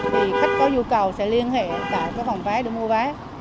thì khách có nhu cầu sẽ liên hệ vào các phòng vé để mua vé